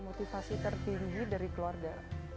motivasi tertinggi dari keluarga